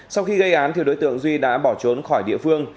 sau khi gây án đối tượng duy đã bỏ trốn khỏi địa phương